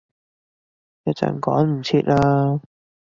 一陣趕唔切喇